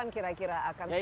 kira kira akan selesai